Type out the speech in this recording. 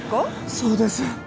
そうです。